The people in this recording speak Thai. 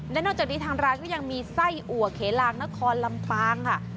และนอกจากนี้ทางร้านก็ยังมีไส้อัวเขลางนครลำปางค่ะ